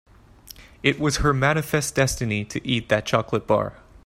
It was her manifest destiny to eat that chocolate bar.